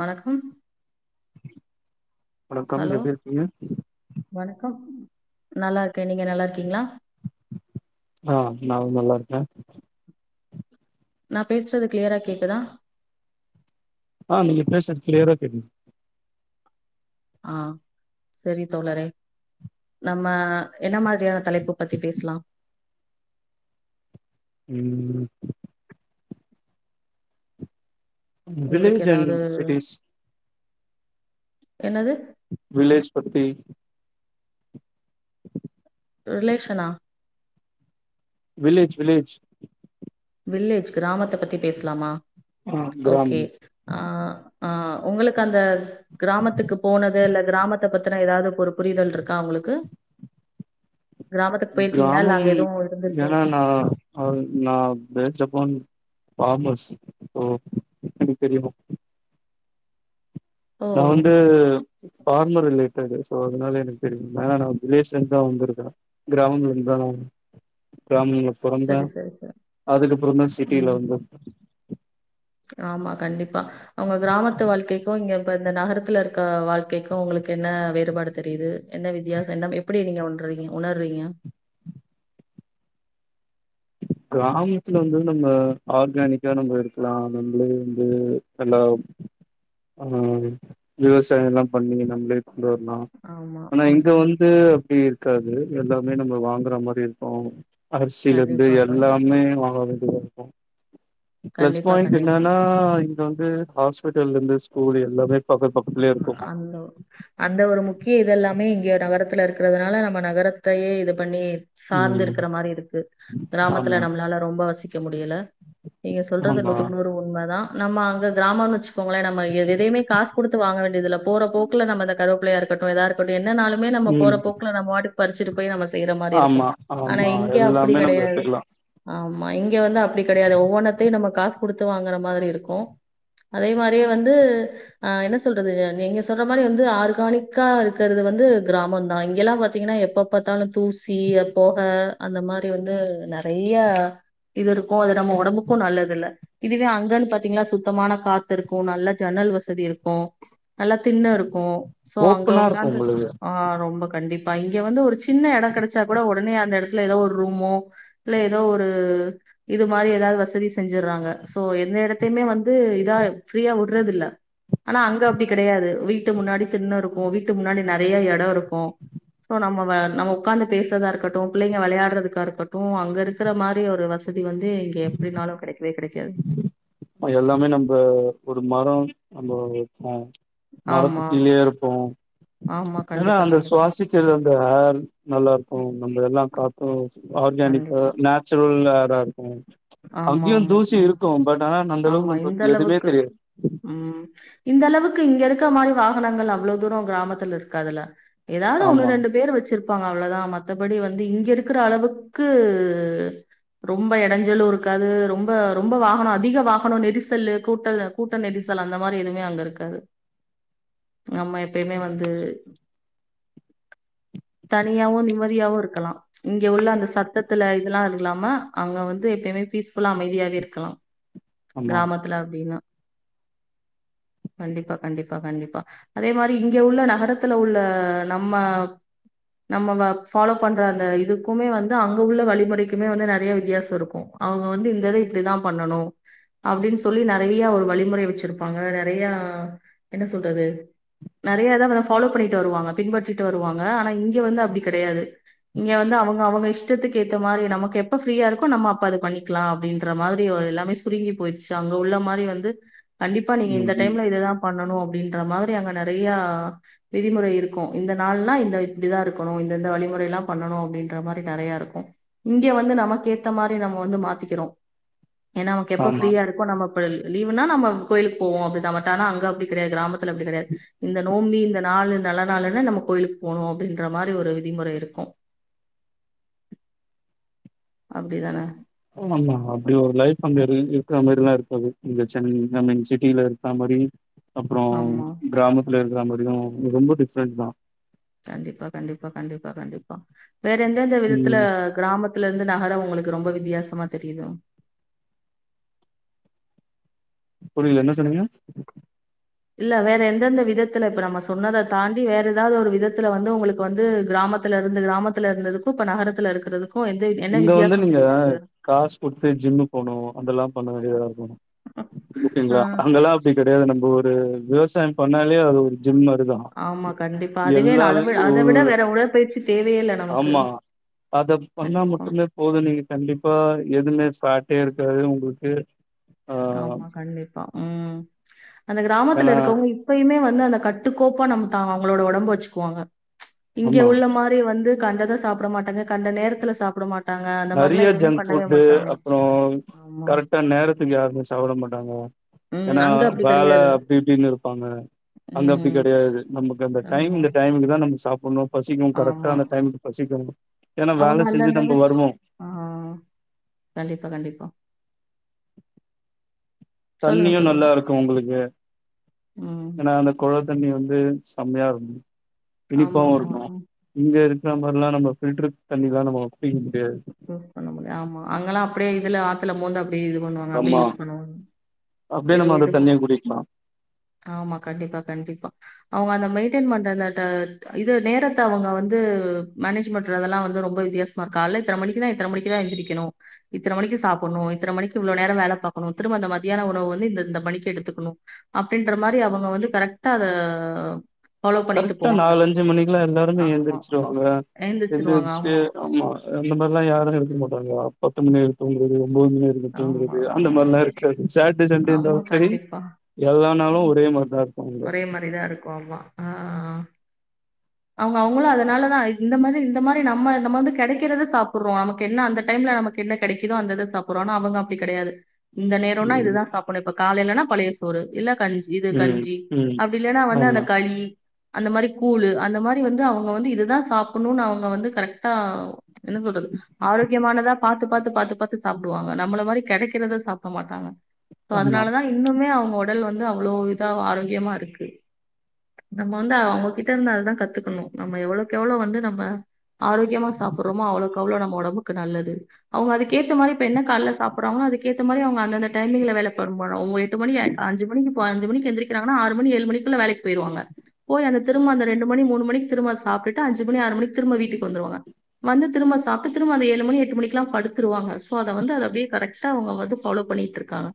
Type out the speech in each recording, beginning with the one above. வணக்கம் வணக்கம் ஹலோ எப்டி இருக்கீங்க வணக்கம் நல்லாருக்கே நீங்க நல்லாருக்கீங்களா ஆ நானு நல்லாருக்கே நா பேசுறது கிளீயரா கேக்குதா ஆ நீங்க பேசுறது கிளீயரா கேக்குது ஆ செரி தோழரே நம்ம என்ன மாரியான தலைப்பு பத்தி பேஸ்லா ம் உங்களுக்கு வில்லேஜ் அண்ட் ஏதாது சிட்டிஸ் என்னது வில்லேஜ் பத்தி ரிலேஷனா வில்லேஜ் வில்லேஜ் வில்லேஜ் கிராமத்த பத்தி பேசலாமா ஆ கிராமம் ஓகே ஆ ஆ ஆ உங்களுக்கு அந்த கிராமத்துக்கு போனது இல்ல கிராமத்த பத்துனா ஏதாவது ஒரு புரிதல் இருக்கா உங்களுக்கு கிராமத்துக்கு போயிருக்கீங்களா இல்ல கிராமம் அங்க எதுவு இருந்திருக்கு ஏன்னா நா நா பேஸ்டு அப்பன் காமஸ் சோ எப்டி தெரியு ஓ நா வந்து பார்மர் ரிலேட்டடு சோ அதனால எனக்கு தெரியு ஏனா நா வந்து ரிலேஷன்காகா வந்துருக்க கிராமங்கள் இருந்தாலு கிராமங்கள் பொறந்த சரி சரி சரி அதுக்கப்பறம்தா சிட்டியில ம் வந்த ஆமா கண்டிப்பா உங்க கிராமத்து வாழ்க்கைக்கு இங்க இப்ப இந்த நகரத்துல இருக்க வாழ்க்கைக்கு உங்களுக்கு என்ன வேறுபாடு தெரியுது என்ன வித்தியாசோ என்ன எப்டி நீங்க உண்றீங்க உணர்றீங்க கிராமத்துல வந்து நம்ம ஆர்கானிக்கா நம்ம இருக்கலா நம்மள வந்து நல்லா ஆ விவசாயெல்லா பண்ணி நம்ப்ளே ஆமா. ஆனா ம், இங்க ம். வந்து அப்டி இருக் இருக்காது எல்லாமே நம்ம வாங்கற மாரி இருக்கு அரிசில இருந்து கண்டிப்பா, எல் கண்டிப்பா. வாங்க வேண்டியதா இருக்கு கண்டிப்பா, கண்டிப்பா. இங்க வந்து ஹாஸ்பிடல்லருந்து ஸ்கூலு எல்லாமே பக்க அ பக்கத்துலயே இருக்கு அந்த அந்த ஒரு முக்கிய இதெல்லாமே இங்க நகரத்துல இருக்கறதுனால நம்ம நகரத்தயே இது பண்ணி சாந்து ம் இருக்கற மாரி இருக்கு கிராமத்தல ஆமா நம்மளால ரொம்ப வசிக்க முடியல நீங்க சொல்றது ஆமா நூத்துக்கு நூறு உண்ம தா நம்ம அங்க கிராமம்னு வச்சுக்கோங்களே நம்ம எதயுமே காசு குடுத்து வாங்க வேண்டியதில்ல போற போக்குல நம்ம அந்த கருவேப்பிலய அறுத் கட்டு எதா இருக்கட்டு என்னனாலுமே நம்ம போற ம் போக்ல நம்ம பாட்டுக்கு பறிச்சுட்டு போய் நம்ம செய்ற மாரி இருக்கு ஆமா ஆனா ஆமா இங்க அப்டி எல்லாமே நம்ம கெடயாது எடுத்துக்கலா ஆமா இங்க வந்து அப்டி கெடையாது ஒவ்வொன்னத்தையு நம்ம காசு குடுத்து வாங்கற மாரி இருக்கு அதே மாரியே வந்து ஆ என்ன சொல்றது நீங்க சொல்ற மாரி வந்து ஆர்கானிக்கா இருக்கறது வந்து கிராமம் தா இங்கெல்லா பாத்தீங்கனா எப்ப ப பாத்தாலு தூசி பொக அந்த மாரி வந்து நெறயா இது இருக்கு அது நம்ம உடம்புக்கு நல்லது இல்ல இதுவே அங்கன்னு பாத்தீங்கன்னா சுத்தமான காத்து இருக்கு நல்ல ஜன்னல் வசதி இருக்கு க்கு நல்ல திண்ண இருக்கு சோ அங்க ஓப்பனா இருக்கு உக்காந்து உங்களுக்கு ஆ ரொம்ப கண்டிப்பா இங்க வந்து ஒரு சின்ன இடம் கிடைச்சா கூட உடனே அந்த இடத்துல எதோ ஒரு ரூமோ இல்ல எதோ ஒரு இது மாரி எதாவது வசதி செஞ்சுறாங்க சோ எந்த இடத்தையுமே வந்து இதா ஃப்ரீயா விட்றது இல்ல ஆனா அங்க அப்டி கெடையாது வீட்டு முன்னாடி திண்ண இருக்கு வீட்டுக்கு முன்னாடி நெறய எட இருக்கு சோ நம்ம நம்ம உக்காந்து பேசுறதா இருக்கட்டு பிள்ளைங்க விளையாடுறதுக்கா இருக்கட்டு அங்க இருக்கிற மாரி ஒரு வசதி வந்து இங்க எப்டின்னாலு கெடைக்கவே கெடைக்காது எல்லாமே நம்ப ஒரு மர நம்ப அ ஆமா மரத்துக்கீழயே இருப்போ ஆமா ஏன்னா கண்டிப்பா அந்த கண்டிப்பா சுவாசிக்கிறது அந்த ஆ நல்லா இருக்கு நம்ம எல்லா காத்து ஆர்கானிக்கா கண்டிப்பா நேச்சுரல் ஏரா இருக்கு ஆமா அங்கேயு மா தூசி ஆ இருக்கு பட் ஆனா அந்த ஆமா அளவுக்கு இந்த நம்மளுக்கு எதுவுமே அளவுக்கு தெரியாது ம் இந்த அளவுக்கு இங்க இருக்கிற மாரி வாகனங்கள் அவ்ளோ தூர கிராமத்துல இருக்காதுல எதாவது ஒன்னு ஆமா ரெண்டு பேர் வச்சிரு ப்பாங்க அவ்ளோ தா மத்தபடி வந்த இங்க இருக்குற அளவுக்கு ரொம்ப இடைஞ்சலு இரு க்காது ரொம்ப ரொம்ப வாகன அதிக வாகன நெரிசல் கூட்ட கூட்ட நெரிசல் அந்த மாரி எதுமே அங்க இருக்காது நம்ம எப்பயுமே வந்து தனியாவு நிம்மதியாவு இருக்கலா இங்க உள்ள அந்த சத்தத்துல இதெல்லா இல்லாம அங்க வந்து எப்பயுமே பீஸ்ஃபுல்லா அமைதியாவே இருக்கலா ஆமா கிராமத்துல அப்டினா கண்டிப்பா கண்டிப்பா கண்டிப்பா அதே மாரி இங்க உள்ள நகரத்துல உள்ள நம்ம நம்ம வ ஃபாலோ பண்ற அந்த இதுக்குமே வந்து அங்க உள்ள வழிமுறைக்குமே வந்து நெறய வித்தியாச இருக்கு அவங்க வந்து இந்த இத இப்டிதா பண்ணணு அப்டின் சொல்லி நெறய ஒரு வழிமுறை வச்சிருப்பாங்க நெறயா என்ன சொல்றது நெறய இத வந்து ஃபாலோ பண்ணிட்டு வருவாங்க பின்பற்றிட்டு வருவாங்க ஆனா இங்க வந்து அப்டி கெடையாது இங்க வந்து அவங்க அவங்க இஷ்டத்துக்கு ஏத்த மாரி நமக்கு எப்ப ஃப்ரீயா இருக்கோ நம்ம அப்ப அது பண்ணிக்லா அப்டின்ற மாரி ஒரு எல்லாமே சுருங்கி போய்ர்ச்சு அங்க உள்ள மாரி வந்து கண்டிப்பா நீங்க இந்த ம் ம் டைம்ல இததா பண்ணணு அப்டின்ற மாரி அங்க நெறயா விதிமுறை இருக்கு இந்த நாள்லா இந்த இப்டிதான் இருக்கணு இந்த இந்த வழிமுறை லாம் பண்ணணும் அப்டின்ற மாரி நெறைய இருக்கு இங்கே வந்து நமக்கேத்த மாரி நம்ம வந்து மாத்திக்கிறோ ஏன்னா நமக்கு எப்ப ஆமா ஃப்ரீயா இரு இப்ப நம்மபயல் லீவுன்னா நம்ம கோயிலுக்கு போவோ அப்டிதான் பட் ஆனா அங்க அப்டி கெடையாது கிராமத்துலப்படி கெடையாது இந்த நோம்பி இந்த நாளு நல்ல நாளுன்னா நம்ம கோயிலுக்கு போகணு அப்டின்ற மாரி ஒரு விதிமுற இருக்கு அப்டி தான ஆமாம்மா அப்டி ஒரு லைஃப் அங்க இருக்கிற மாரில்லா இருக்காது இங்க சென்னை ஐ மீன் சிட்டில இருக்குறா மாரி அப்புறோ ஆமா. கிராமத்துல இருக்குற மாரியும் ரொம்ப டிஃப்ரென் தா கண்டிப்பா கண்டிப்பா கண்டிப்பா கண்டிப்பா வேற எந்தெந்த விதத்துல ம் கிராமத்துல இருந்து நகரோ உங்களுக்கு ரொம்ப வித்யாசமா தெரியுதும் புரியல என்ன சொன்னீங்க இல்ல வேற எந்தெந்த விதத்துல இப்ப நம்ம சொன்னத தாண்டி வேற ஏதாவ்து ஒரு விதத்துல வந்து உங்களுக்கு வந்து கிராமத் துல இருந்து கிராமத்துல இருந்ததுக்கும் இப்ப நகரத்துல இருக்குறதுக்கும் எந்த என்ன இங்க வந்து வித்தியாசோ‌ நீங்க தெரியுது அங்கே காசு குடுத்து ஜிம்மு போணு அதெல்லா பண்ண வேண்டியதாருக்கு ஆ. ஓகேங்களா அங்கல்லா அப்டி கெடையாது நம்ம ஒரு விவசாயோ பண்ணாலே அது ஒரு ஜிம் மாரி தா ஆமா கண்டிப்பா அதுவே நா அத அத விட வேற உடற்பயிற்சி தேவயே இல்ல நமக்கு ஆமா அத பண்ணா கண்டிப்பா. மட்டுமே போது நீங்க கண்டிப்பா எதுவுமே ஃபாட்டே இருக்காது உங்குளுக்கு ஆமா கண்டிப்பா ம் அந்த கிராமத்துல ஏன்னா இருக்கவுங்க எப்பயுமே வந்து அந்த கட்டுக்கோப்பா நம் த அவங்களோட ஒடம்ப வச்சுக்குவாங்க இங்க ஆமா உள்ள மாரி மாரி வந்து கண்டத சாப்ட மாட்டாங்க கண்ட நேரத்துல சாப்ட மாட் நெறைய ஜங்க் ஃபுட்டு அப்புறோ ஆமா கரெக்டா நேரத்துக்கு யாருமே சாப்ட மாட்டாங்க ம் ஏன்னா அங்க அப்டி வேல கெடையாது அப்டி இப்டின்னு இருப்பாங்க அங்க அப்டி ம் கெடையாது நமக்கு அந்த டைம் ஆமா இந்த டைமுக்கு தா நம்ம சாப்டணு பசிக்கும் கரெக்டா ஆமா அந்த டைமுக்கு பசிக்கனு ஏனா அவங்க வேல செஞ்சு அந்தந்த நம்ப மாரி வருவோ ஆ கண்டிப்பா கண்டிப்பா சொல்லுங்க தண்ணியு சொல்லுங்க நல்லா இருக்கு அவுங்களுக்கு ம் ஏனா அந்த கொழா தண்ணீ வந்து செம்மையாருக்கு ஆமா இனிப்பாவு ஆமா இருக்கு ம். இங்க இருக்குற மாரிலா நம்ம ஃபில்டர் தண்ணிலா நம்ம குடிக்க முடியாது யூஸ் பண்ண முடிய ஆமா அங்கெல்லா அப்டியே இதுல ஆத்துல மோந்து அப்டியே இது பண்ணுவாங்க அப்டியே ஆமா யூஸ் பண்ணுவாங்க அப்டியே எதோ நம்ம அந்த இதுக்கு தண்ணிய குடிக்கலா ஆமா கண்டிப்பா கண்டிப்பா அவுங்க அந்த மெயின்டைன் பண்ற அந்த டா இது நேரத்த அவ்ங்க வந்து மேனேஜ் பண்றதெல்லா வந்து ரொம்ப வித்தியாசமா இருக்கு காலே இத்தன மணிக்குனா இத்தன மணிக்கு தா எந்திரிக்கணு இத்தன மணிக்கு சாப்புணு இத்தன மணிக்கு இவ்ளோ நேரோ வேல பாக்கணு திரும்ப அந்த மத்தியான ஒரு இவ்ளோ வந்து இந்த இந்த பணிக்கு எடுத்துக்கணு அப்படின்ற மாரி அவங்க வந்து கரெக்டா அத ஃபாலோ பண்ணிட்டு கரெக்டா போவாங்க. நாலு அஞ்சு மணிக்கு எல்லா எல்லாருமே ஆமா. ஏந்த்ருச்சுருவாங்க எந்த்ர்ச்சு ஆமா அந்த மாரிலா யாரு இருக்க மாட்டாங்க பத்து மணி வரைக்கு தூங்குறது ஒம்பது மணி வரக்கு கு ஆமா, தூங்குறது அந்த மாரிலா இருக்காது சாட்டே சண்டே ஆமா இருந்தாலு சரி கண்டிப்பா. எல்லா நாளு ம். ஒரே மாரிதா இருப்பாங்க ஒரே மாரிதா இருக்கு ஆமா ஆ அவ்ங்க அவங்களு அதனாலதா இந்த மாரி இந்த மாரி நம்ம நம்ம வந்து கெடக்கிறத சாப்டுறோ நமக்கு என்ன அந்த டைம்ல நமக் தின்ன கெடைக்குதோ அந்ததித சாப் றோ ஆனா அவுங்க அப்டி கெடையாது இந்த நேரோன்னா ம் இதுதா சாப்பிடணு இப்ப காலைலனா பழைய சோறு இல்ல கஞ்சி இது ம் கஞ்சி ம் அப்டி இல்லன்னா வந்து அந்த ஆமா களி அந்த மாரி கூழு அந்த மாரி வந்து அவங்க வந்து இதுதா சாப்புட்ணூனு அவங்க வந்து கரெக்டா என்ன சொல்றது ஆரோக்கியமானதா பாத்து பாத்து பாத்து பாத்து சாப்டுவாங்க நம்மள மாரி கெடைக்கிறத சாப்ட மாட்டாங்க சோ ஆமா அதனாலதா இன்னுமே அவங்க ஒடல் வந்து அவ்வளோ இதாவ் ஆரோக்கியமா இருக்கு நம்ம வந்து அவங்ககிட்ட இருந்து அததா கத்துக்கணு நம்ம எவ்வளோக்கு எவ்வளோ வந்து நம்ம ஆரோக்கியமா சாப்புட்றமோ அவ்ளோக் கவ்ளோ நம்ம ஒடம்புக்கு நல்லது அவுங்க அதுக்கு ஏத்த மாரி இப்ப என்ன காலைல சாப்புட்றாங்களோ அதுக்கேத்த மாரி அவுங்க அந்தந்த டைமிங்ல வேல பாரும்பாங்க அவுங்க எட்டு மணிக்கய் அஞ்சு மணிக்கு இப்ப அஞ்சு மணிக்கு எந்திரி க்கிறாங்கனா ஆறு மணி ஏழு மணிக்குள்ள வேலைக் பொயிருவாங்க போய் அந்த திரும்ப அந்த ரெண்டு மணி மூணு மணிக் திரும்ப சாப்டுட்டு அஞ்சு மணி ஆறு மணிக் திரும்ப வீட்டுக்கு வந்துருவாங்க வந்து திரும்ப சாப்ட்டு திரும்ப அந்த ஏழு மணி எட்டு மணிக்லா படுத்துருவாங்க சோ அத வந்து அத அப்டியே கரெக்டா அவங்க வந்து ஃபாலோ பண்ணிகிட்ருக்காங்க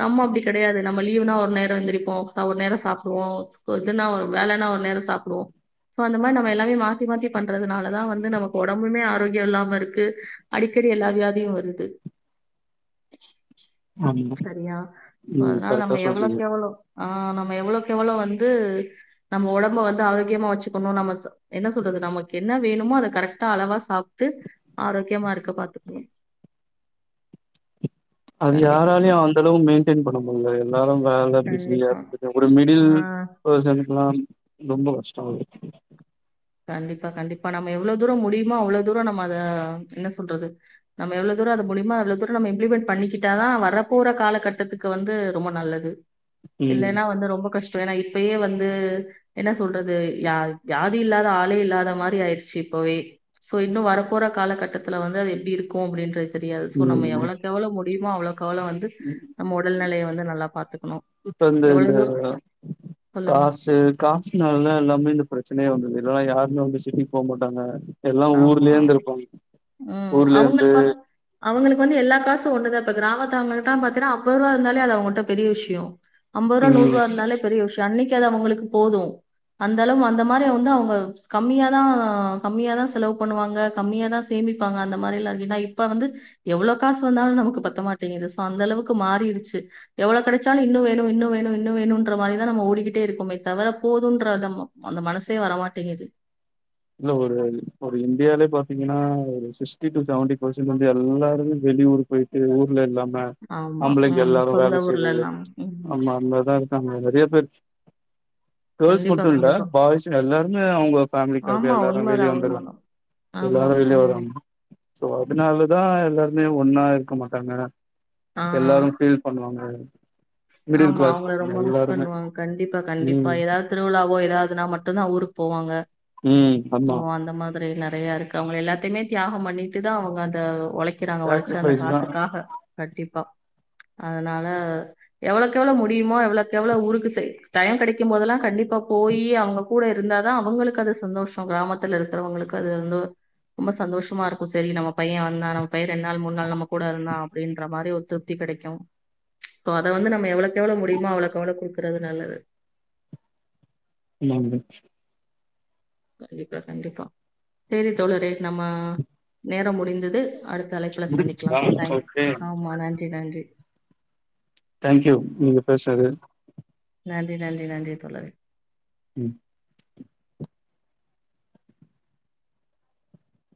நம்ம அப்டி கெடையாது நம்ம லீவுனா ஒரு நேரோ எந்திரிப்போ பஒரு நேரோ சாப்டுவோ இதுனா ஒரு வேலன்னா ஒரு நேரோ சாப் குடுவோ சோ அந்த மாரி நம்ம எல்லாமே மாத்தி மாத்தி பண்றதுனாலதா வந்து நமக்கு ஒடம்புமே ஆரோக்யோ இல்லாம இருக்கு அடிக்கடி எல்லா வியாதியு வருது ஆமா சரியா சோ ம் அதுனால கரெக்டா நம்ம சொல்றீங்க எவ்வளோக்கெவ்வளோ ஆ நம்ம எவ்வளோக்கெவ்வளோ வந்து நம்ம ஒடம்ப வந்து ஆரோக்கியமா வச்சுக்கனு நம்ம ச என்ன சொல்றது நமக்கு என்ன வேணுமோ அத கரெக்டா அளவா சாப்ட்டு ஆரோக்யமா இருக்க பாத்துக்கணூ அது கண்டிப்பா, யாராலயு கண் அந்த அளவு மெயின்டைன் பண்ண முடில எல்லாரு வேல பிசியா கண்டிப்பா. இருந்துட்டு ஒரு மிடில் ஆ பேர்சனுக்குலா ரொம்ப கஷ்டோ அது கண்டிப்பா கண்டிப்பா நம்ம எவ்ளோ தூரோ முடியுமோ அவ்ளோ தூரோ நம்ம அத என்ன சொல்றது நம்ம எவ்ளோ தூரோ அத முடியுமோ அவ்ளோ தூரோ இம்ப்ளிமெண்ட் பண்ணிகிட்டாதா வரப்போற காலக்கட்டத்துக்கு வந்து ரொம்ப நல்லது ம் இல்லைனா வந்து ரொம்ப கஷ் டொ ஏனா இப்பையே வந்து என்ன சொல்றது ய வியாதி இல்லாத் த ஆளே இல்லாத மாரி ஆயிருச்சி இப்பவே சோ இன்னு வரப்போற காலக்கட்டத்துல வந்து அது எப்டி இருக்கூ அப்டின்றது தெரியாது சோ நம்ம ம் எவ்வளோக்கெவ்ளோ முடியுமோ அவ்வளோக் அவ்வளோ வந்து நம்ம ஒடல்நிலையை வந்து நல்லா பாத்துக்கணூ இப்ப அந்த இந்த சொல்லுங்க காசூ காசுனால எல்லாமே இந்த பிரச்சனையே வந்தது இல்லனா யாருமே வந்து சிட்டிக் போ மாட்டாங்க எல்லா ஊர்லயே ஆமா இருந்துருப்பாங்க ம். ஊர்லயே இருந்து அவங்களுக்கு வந்து அவங்களுக்கு வந்து எல்லா காசூ ஒன்னுதா பெதர் இப்ப கிராமத்து அவுங்க இருக்காங் பாத்தினா அம்பது ரூவா இருந்தாலே அது அவங்கட்ட பெரிய விஷயோ அம்பது ருவா நூற் ம் ருவா இருந்தாலே பெரிய விஷயோ அன்னைக் அது அவங்களுக்கு போதூ அந்த அளவு அந்த மாரி வந்து அவங்க கம்மியாதா கம்மியாதா செலவு பண்ணுவாங்க கம்மியாதா சேமிப்பாங்க அந்த மாரி எல்லா இருந்திய்னா இப்ப வந்து எவ்வளோ காசு வந்தாலு நமக்கு பத்த மாட்டேங்குது சோ அந்தளவுக்கு மாறீருச்சி எவ்ளோ கெடைச்சாலூ இன்னு வேணூ இன்னு வேணூ இன்னு வேணுன்ற மாரிதா நம்ம ஓடிக்கிட்டே இருக்கோமே தவர போதுன்ற தம்ம அந்த மனசே வரமாட்டேங்குது இல்ல ஒரு ஒரு இந்தியாலே பாத்திங்கனா ஒரு சிக்ஸ்டி டு செவன்டி பெர்சன்ட் வந்து எல்லாருமே வெளியூர் பொயிட் டு ஊர்ல இல்லாம்ம ஆமா. ஆம்பளைங்க ம். எல்லாரூ சொந்த வேல செய்றது ஊர்லலாம். ம். ஆமா அந்த் மாரிதா இருக்காங்க நெறையா பேர் கேர்ள்ஸ் கண்டிப்பா, மட்டு இல்ல கண்டிப்பா. பாய்ஸ் எல்லாருமே அவொங்க ஃபேமிலி தவுத்து ஆமா எல்லாரு வெளிய உண்மதான் வந்துருவாங் உண்மதான். ஆமா. எல்லாரு வெளிய ம். வருவாங்க சோ அதுனாலதா எல்லாருமே ஒன்னா இருக்க மாட்டாங்க ஆ. எல்லாரு ஃபீல் பண்ணுவாங்க மிடில் ஆமா கிளாஸ் அவுங்கள பசங்க ரொம்ப மிஸ் எல்லாருமே பண்ணுவாங்க கண்டிப்பா கண்டிப்பா ம் ஏதாவது திருவிழாவோ ஏதாவதுனா மட்டூ தா ஊருக்கு போவாங்க ம் ஆமா அந்த மாரி நெறையா இருக்கு அவுங்க எல்லாத்தையுமே தியாகம் பண்ணிட்டு தா அவுங்க அந்த உழைக்க க்கிறங்க உழச்ச அந்த சாக்ரிஃபைஸ் தா காசுக்காக கண்டிப்பா அதனால எவ்ளோக்கு எவ்ளோ முடியுமோ எவ்ளோக்கு எவ்ளோ ஊருக்கு செய் டைம் கெடைக்கும் போது எல்லாம் கண்டிப்பா போய் அவுங்க கூட இருந்தா தா அவுங்களுக்கு அது சந்தோஷோ கிராமத்துல இருக்கிறவங்களுக்கு அது வந்து ரொம்ப சந்தோஷமா இருக்கும் சேரி நம்ம பையே வந்தா நம்ம பையே ரெண்டு நாள் மூணு நாள் நம்ம கூட இருந்தா அப்டின்ற மாரி ஒரு தீ கெடைக்கு அத வந்து நம்ம எவ்ளோக்கு எவ்ளோ முடியுமோ அவ்ளோக்கு அவ்ளோ குடுக்கறது நல்லது உம் கண்டிப்பா கண்டிப்பா சேரி தோழரே நம்ம நேரம் முடிந்தது அடுத்த அழைப்புல சந்திக்கலா முடிஞ்சிச்சா தேங்க் ஓகே யூ ஆமா நன்றி நன்றி தேங்க் யூ நீங்க பேசுனது நன்றி நன்றி நன்றி தோழரே உம்